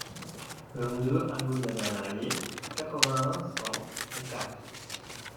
vingt-deux hameau de la Verdarié, quatre-vingt-un, cent à Castres